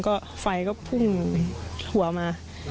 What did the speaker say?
ก็ไฟก็พุ่งหัวมา